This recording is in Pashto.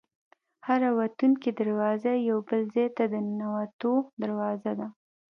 هره وتونکې دروازه یو بل ځای ته د ننوتلو دروازه ده.